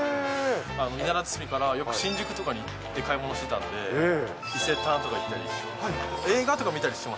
稲田堤から、よく新宿とかで買い物してたので、伊勢丹とか行ったりして。